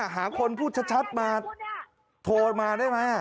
หาคนพูดชัดมาโทรมาได้ไหม